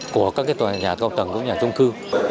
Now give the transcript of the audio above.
của các cái tòa nhà cao tầng cũng như nhà trung cư